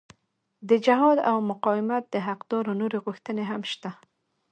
د جهاد او مقاومت د حقدارو نورې غوښتنې هم شته.